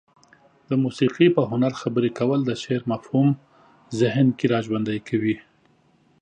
د موسيقي په هنر خبرې کول د شعر مفهوم ذهن کې را ژوندى کوي.